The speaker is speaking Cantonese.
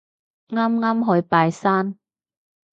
啱啱去拜山